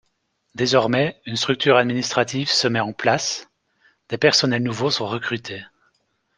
Désormais, une structure administrative se met en place- des personnels nouveaux sont recrutés.